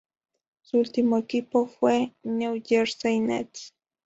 Su último equipo fue New Jersey Nets.